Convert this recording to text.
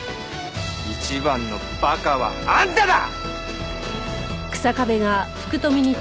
一番の馬鹿はあんただ！